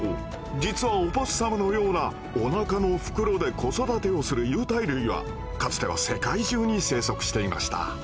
実はオポッサムのようなおなかの袋で子育てをする有袋類はかつては世界中に生息していました。